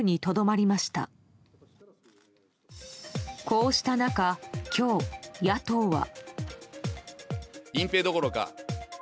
こうした中今日、野党は。